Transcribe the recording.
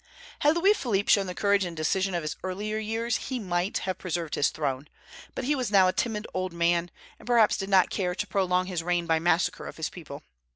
Had Louis Philippe shown the courage and decision of his earlier years, he might have preserved his throne. But he was now a timid old man, and perhaps did not care to prolong his reign by massacre of his people.